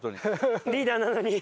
リーダーなのに。